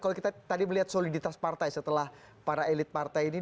kalau kita tadi melihat soliditas partai setelah para elit partai ini